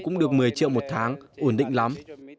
cũng được một mươi triệu một tháng ổn định lắm